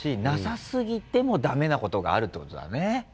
なさすぎてもダメなことがあるということだね。